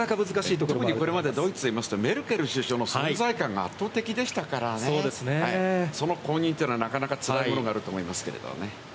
これまででいいますと、ドイツのメルケル首相の存在感が圧倒的でしたから、その後任はなかなかつらいものがあると思いますけれどもね。